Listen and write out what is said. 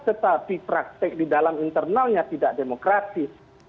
tetapi praktek di dalam internalnya tidak demokratis